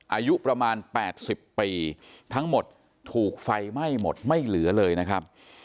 อายุประมาณ๘๐ปีทั้งหมดถูกไฟไหม้หมดไม่เหลือเลยนะครับ